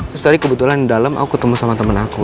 terus tadi kebetulan di dalam aku ketemu sama temen aku